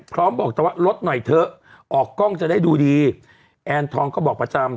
บอกแต่ว่าลดหน่อยเถอะออกกล้องจะได้ดูดีแอนทองก็บอกประจำ